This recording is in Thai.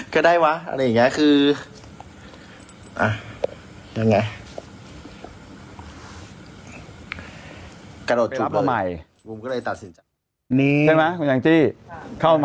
ก็ได้วะอะไรอย่างนี้คือ